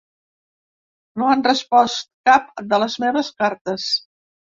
No han respost cap de les meves cartes.